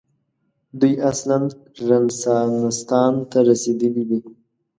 دوی اصلاً رنسانستان ته رسېدلي دي.